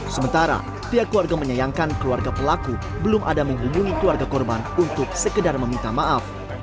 sementara pihak keluarga menyayangkan keluarga pelaku belum ada menghubungi keluarga korban untuk sekedar meminta maaf